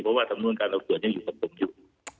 เพราะว่าสำนวนการสอบสวนยังอยู่กับผมอยู่